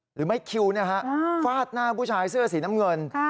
หรือไม้คิวฟาดหน้าผู้ชายเสื้อสีน้ำเงิน